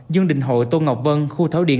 dương đình hội tôn ngọc vân khu thảo điện